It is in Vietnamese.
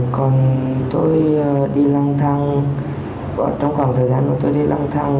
còn tôi đi lăng thang trong khoảng thời gian đó tôi đi lăng thang